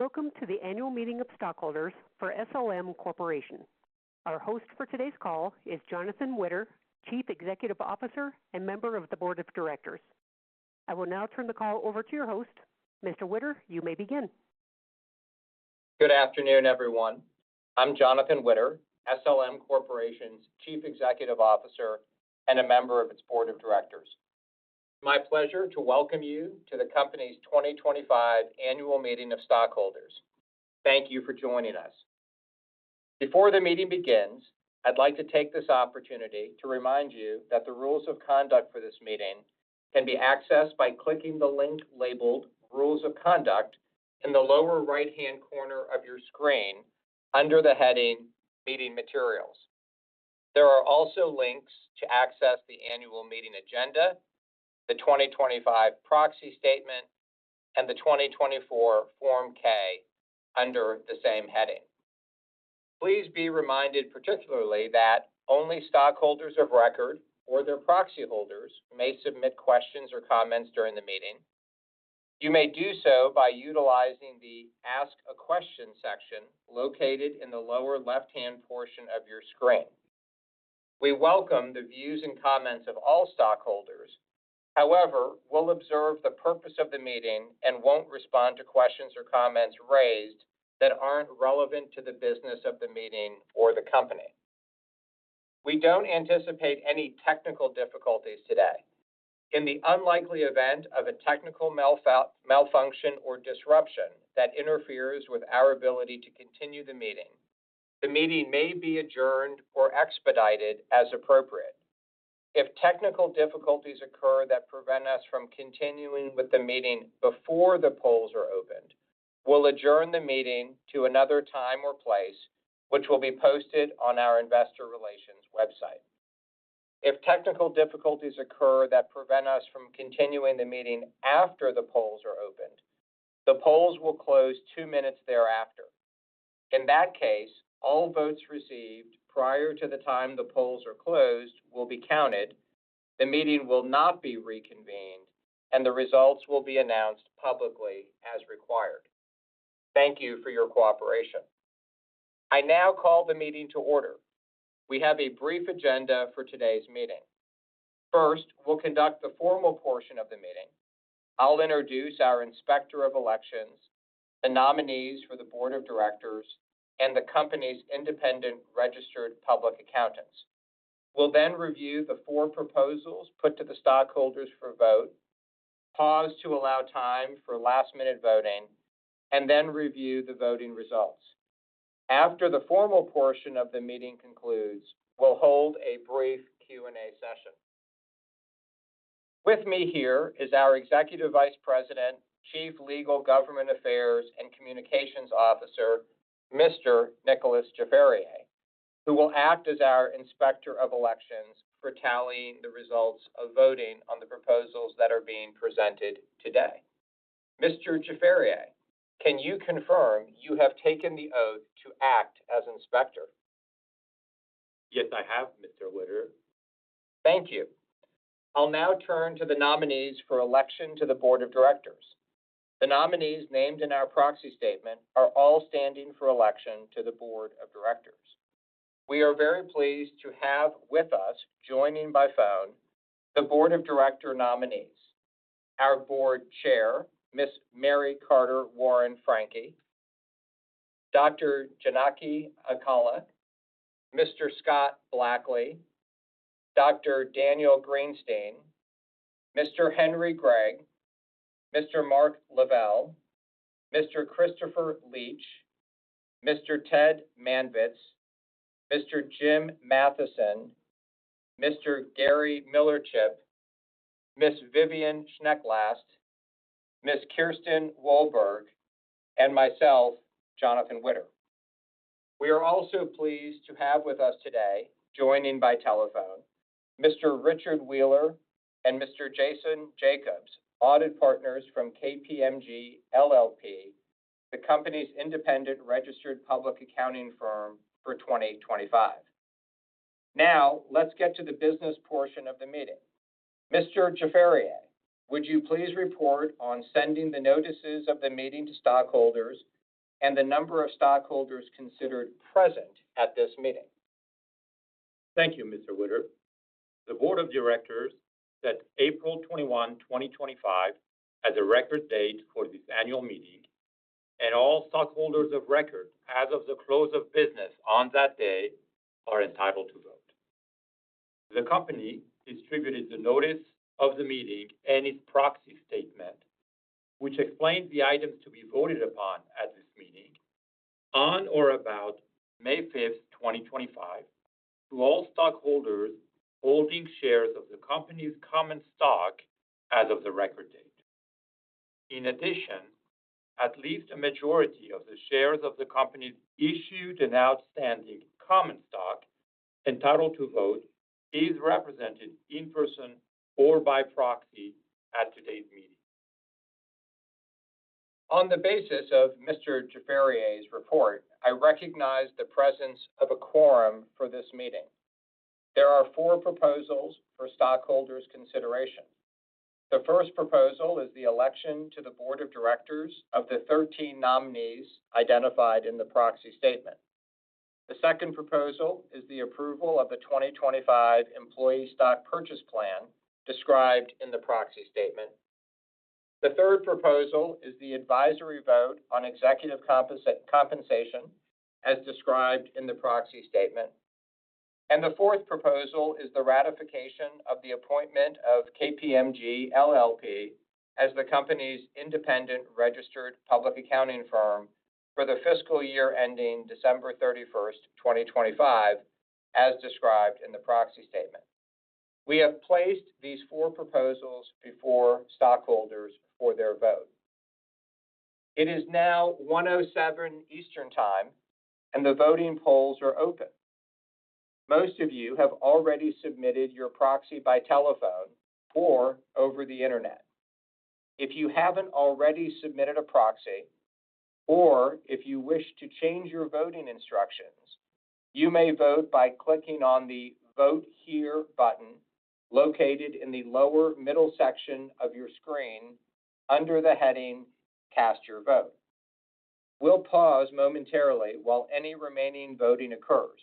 Welcome to the annual meeting of stockholders for SLM Corporation. Our host for today's call is Jonathan Witter, Chief Executive Officer and member of the Board of Directors. I will now turn the call over to your host. Mr. Witter, you may begin. Good afternoon, everyone. I'm Jonathan Witter, SLM Corporation's Chief Executive Officer and a member of its Board of Directors. It's my pleasure to welcome you to the company's 2025 annual meeting of stockholders. Thank you for joining us. Before the meeting begins, I'd like to take this opportunity to remind you that the rules of conduct for this meeting can be accessed by clicking the link labeled "Rules of Conduct" in the lower right-hand corner of your screen under the heading "Meeting Materials." There are also links to access the annual meeting agenda, the 2025 proxy statement, and the 2024 Form 10-K under the same heading. Please be reminded particularly that only stockholders of record or their proxy holders may submit questions or comments during the meeting. You may do so by utilizing the "Ask a Question" section located in the lower left-hand portion of your screen. We welcome the views and comments of all stockholders. However, we'll observe the purpose of the meeting and won't respond to questions or comments raised that aren't relevant to the business of the meeting or the company. We don't anticipate any technical difficulties today. In the unlikely event of a technical malfunction or disruption that interferes with our ability to continue the meeting, the meeting may be adjourned or expedited as appropriate. If technical difficulties occur that prevent us from continuing with the meeting before the polls are opened, we'll adjourn the meeting to another time or place, which will be posted on our Investor Relations website. If technical difficulties occur that prevent us from continuing the meeting after the polls are opened, the polls will close two minutes thereafter. In that case, all votes received prior to the time the polls are closed will be counted, the meeting will not be reconvened, and the results will be announced publicly as required. Thank you for your cooperation. I now call the meeting to order. We have a brief agenda for today's meeting. First, we'll conduct the formal portion of the meeting. I'll introduce our Inspector of Elections, the nominees for the Board of Directors, and the company's independent registered public accountants. We'll then review the four proposals put to the stockholders for vote, pause to allow time for last-minute voting, and then review the voting results. After the formal portion of the meeting concludes, we'll hold a brief Q&A session. With me here is our Executive Vice President, Chief Legal, Government Affairs and Communications Officer, Mr. Nicolas Jafarieh, who will act as our Inspector of Elections for tallying the results of voting on the proposals that are being presented today. Mr. Jafarieh, can you confirm you have taken the oath to act as Inspector? Yes, I have, Mr. Witter. Thank you. I'll now turn to the nominees for election to the Board of Directors. The nominees named in our proxy statement are all standing for election to the Board of Directors. We are very pleased to have with us, joining by phone, the Board of Director nominees: our Board Chair, Ms. Mary Carter Warren-Franke, Dr. Janaki Akella, Mr. Scott Blackley, Dr. Daniel Greenstein, Mr. Henry Greig, Mr. Mark Lavelle, Mr. Christopher Leech, Mr. Ted Manvitz, Mr. Jim Matheson, Mr. Gary Millerchip, Ms. Vivian Schneck-Last, Ms. Kirsten Wolberg, and myself, Jonathan Witter. We are also pleased to have with us today, joining by telephone, Mr. Richard Wheeler and Mr. Jason Jacobs, audit partners from KPMG LLP, the company's independent registered public accounting firm for 2025. Now, let's get to the business portion of the meeting. Mr. Jafarieh, would you please report on sending the notices of the meeting to stockholders and the number of stockholders considered present at this meeting? Thank you, Mr. Witter. The Board of Directors sets April 21, 2025, as a record date for this annual meeting, and all stockholders of record as of the close of business on that day are entitled to vote. The company distributed the notice of the meeting and its proxy statement, which explains the items to be voted upon at this meeting on or about May 5, 2025, to all stockholders holding shares of the company's common stock as of the record date. In addition, at least a majority of the shares of the company's issued and outstanding common stock entitled to vote is represented in person or by proxy at today's meeting. On the basis of Mr. Jafarieh's report, I recognize the presence of a quorum for this meeting. There are four proposals for stockholders' consideration. The first proposal is the election to the Board of Directors of the 13 nominees identified in the proxy statement. The second proposal is the approval of the 2025 employee stock purchase plan described in the proxy statement. The third proposal is the advisory vote on executive compensation as described in the proxy statement. The fourth proposal is the ratification of the appointment of KPMG LLP as the company's independent registered public accounting firm for the fiscal year ending December 31, 2025, as described in the proxy statement. We have placed these four proposals before stockholders for their vote. It is now 1:07 P.M. Eastern Time, and the voting polls are open. Most of you have already submitted your proxy by telephone or over the internet. If you haven't already submitted a proxy, or if you wish to change your voting instructions, you may vote by clicking on the "Vote Here" button located in the lower middle section of your screen under the heading "Cast Your Vote." We'll pause momentarily while any remaining voting occurs.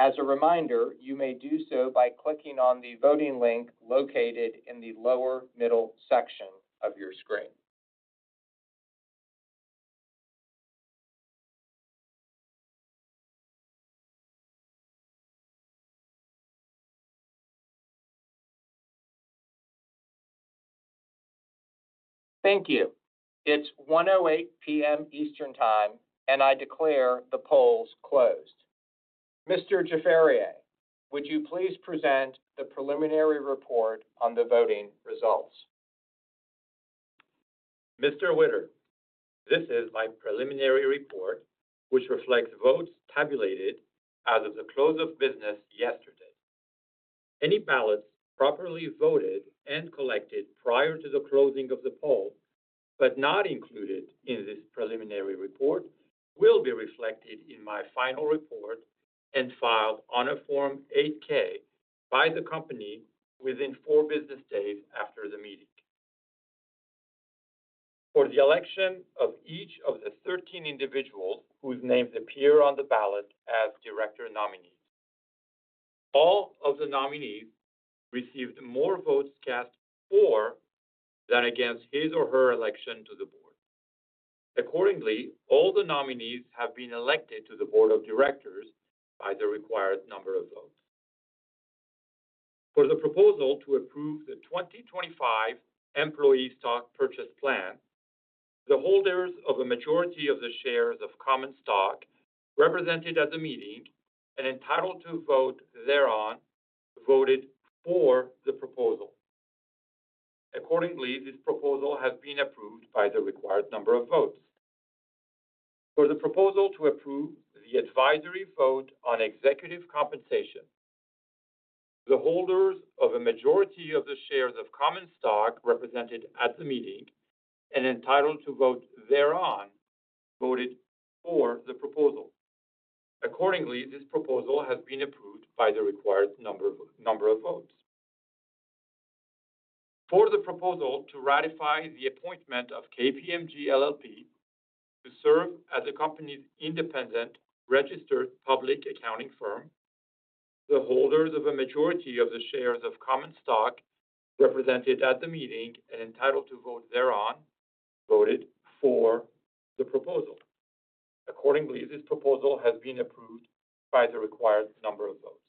As a reminder, you may do so by clicking on the voting link located in the lower middle section of your screen. Thank you. It's 1:08 P.M. Eastern Time, and I declare the polls closed. Mr. Jafarieh, would you please present the preliminary report on the voting results? Mr. Witter, this is my preliminary report, which reflects votes tabulated as of the close of business yesterday. Any ballots properly voted and collected prior to the closing of the poll but not included in this preliminary report will be reflected in my final report and filed on a Form 8-K by the company within four business days after the meeting. For the election of each of the 13 individuals whose names appear on the ballot as Director Nominees, all of the nominees received more votes cast for than against his or her election to the board. Accordingly, all the nominees have been elected to the Board of Directors by the required number of votes. For the proposal to approve the 2025 employee stock purchase plan, the holders of a majority of the shares of common stock represented at the meeting and entitled to vote thereon voted for the proposal. Accordingly, this proposal has been approved by the required number of votes. For the proposal to approve the advisory vote on executive compensation, the holders of a majority of the shares of common stock represented at the meeting and entitled to vote thereon voted for the proposal. Accordingly, this proposal has been approved by the required number of votes. For the proposal to ratify the appointment of KPMG LLP to serve as the company's independent registered public accounting firm, the holders of a majority of the shares of common stock represented at the meeting and entitled to vote thereon voted for the proposal. Accordingly, this proposal has been approved by the required number of votes.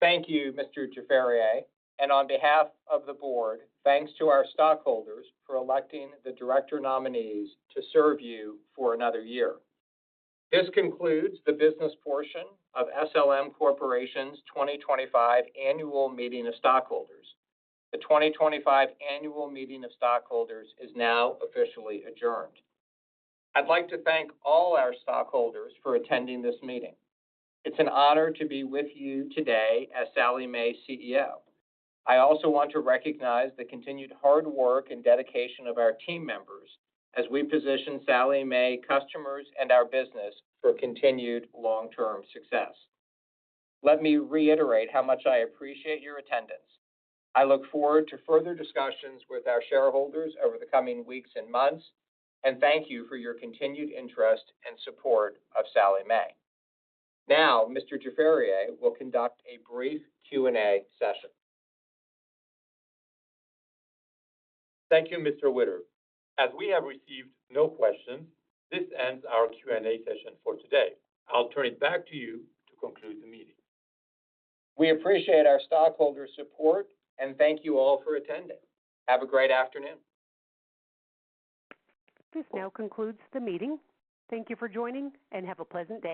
Thank you, Mr. Jafarieh. On behalf of the Board, thanks to our stockholders for electing the Director Nominees to serve you for another year. This concludes the business portion of SLM Corporation's 2025 annual meeting of stockholders. The 2025 annual meeting of stockholders is now officially adjourned. I'd like to thank all our stockholders for attending this meeting. It's an honor to be with you today as Sallie Mae CEO. I also want to recognize the continued hard work and dedication of our team members as we position Sallie Mae customers and our business for continued long-term success. Let me reiterate how much I appreciate your attendance. I look forward to further discussions with our shareholders over the coming weeks and months, and thank you for your continued interest and support of Sallie Mae. Now, Mr. Jafarieh will conduct a brief Q&A session. Thank you, Mr. Witter. As we have received no questions, this ends our Q&A session for today. I'll turn it back to you to conclude the meeting. We appreciate our stockholders' support, and thank you all for attending. Have a great afternoon. This now concludes the meeting. Thank you for joining, and have a pleasant day.